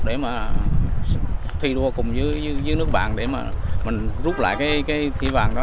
để mà thi đua cùng với nước bạn để mà mình rút lại cái kỹ vàng đó